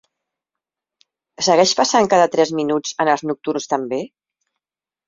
Segueix passant cada tres min en els nocturns també?